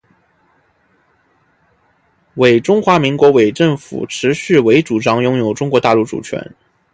中华民国政府持续主张拥有中国大陆主权